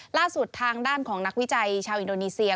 ล่าสุดทางด้านของนักวิจัยชาวอินโดนีเซีย